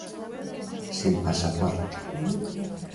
Sen pasaporte.